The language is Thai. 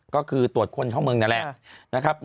ก็คือตรวจคนช่องเมืองนี่แหละ